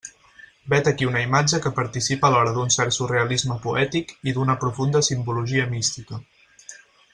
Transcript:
Vet aquí una imatge que participa alhora d'un cert surrealisme poètic i d'una profunda simbologia mística.